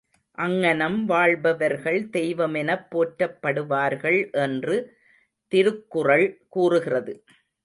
அங்ஙனம் வாழ்பவர்கள் தெய்வமெனப் போற்றப்படுவார்கள் என்று திருக்குறள் கூறுகிறது.